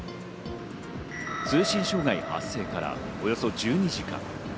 通信障害発生からおよそ１２時間。